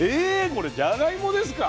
これじゃがいもですか？